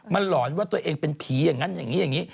มันหล่อนว่าตัวเองเป็นผีอย่างนั้นอย่างนี้